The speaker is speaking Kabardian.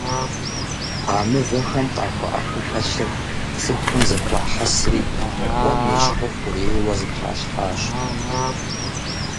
А мывэхэм къахуэӀэту хэлъыр цӀыхухэм зэхуахьэсри, Ӏуэм ещхьу хъурейуэ зэтралъхьащ.